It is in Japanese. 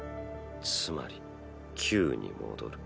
つまり球に戻る。